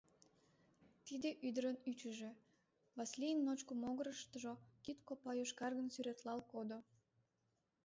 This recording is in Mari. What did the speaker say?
Тиде ӱдырын ӱчыжӧ: Васлийын ночко могырыштыжо кид копа йошкаргын сӱретлалт кодо.